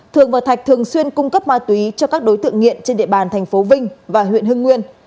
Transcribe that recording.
thường và thạch thường xuyên cung cấp ma túy cho các đối tượng nghiện trên địa bàn thành phố vinh và huyện hưng nguyên